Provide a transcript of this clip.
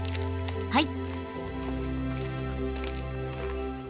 はい！